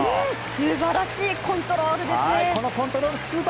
素晴らしいコントロールですね。